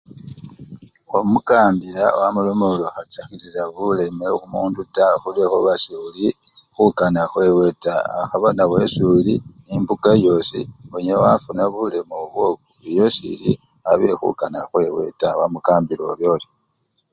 Omukambila wamuloma orii okhachakhilila buuleme khumundu taa khulwekhuba sekhuli khukana khwewe taa akhaba nawe esi uli embuka yosi onyala wafuna buleme obwo oyo seli abekhukana khwewe taa, wamukambila oryoryo.